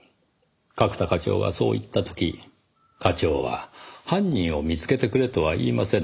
角田課長はそう言った時課長は「犯人を見つけてくれ」とは言いませんでした。